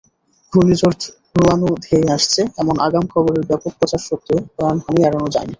ঘূর্ণিঝড় রোয়ানু ধেয়ে আসছে—এমন আগাম খবরের ব্যাপক প্রচার সত্ত্বেও প্রাণহানি এড়ানো যায়নি।